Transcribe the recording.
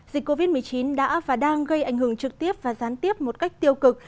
dịch covid một mươi chín đã và đang gây ảnh hưởng trực tiếp và gián tiếp một cách tiêu cực